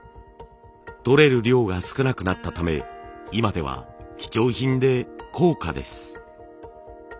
採れる量が少なくなったため今では貴重品で高価です。